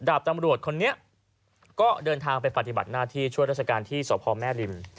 ดาบตำรวจคนนี้ก็เดินทางไปปฏิบัติหน้าที่ช่วยราชการที่สพแม่ริม